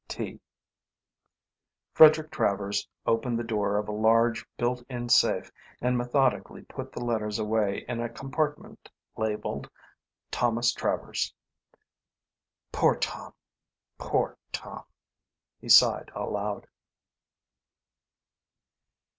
"B.P.T." Frederick Travers opened the door of a large, built in safe and methodically put the letters away in a compartment labelled "Thomas Travers." "Poor Tom! Poor Tom!" he sighed aloud.